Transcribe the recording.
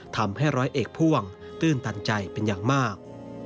ทำให้ร้อยเอกพ่วงตื้นตันใจเป็นอย่างมาก